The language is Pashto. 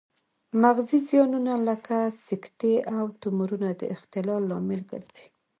مغزي زیانونه لکه سکتې او تومورونه د اختلال لامل ګرځي